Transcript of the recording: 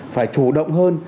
phải chủ động hơn